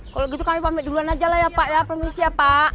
kalau gitu kami pamit duluan aja lah ya pak ya permisi ya pak